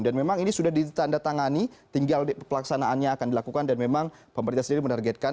dan memang ini sudah ditanda tangani tinggal pelaksanaannya akan dilakukan dan memang pemerintah sendiri menargetkan